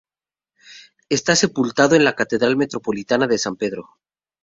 Está sepultado en la Catedral Metropolitana de San Pedro.